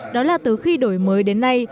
đó là từ khi đổi mới đến nay